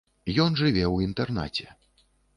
Ён жыве ў інтэрнаце.